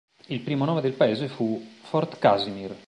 Il primo nome del paese fu "Fort Casimir".